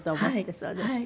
そうですか。